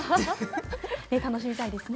楽しみたいですね。